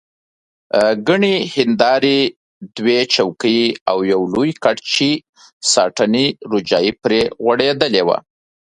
ګڼې هندارې، دوه چوکۍ او یو لوی کټ چې ساټني روجایې پرې غوړېدلې وه.